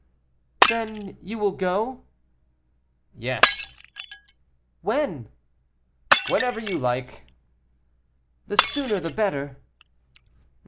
"Then you will go?" "Yes." "When?" "Whenever you like." "The sooner the better."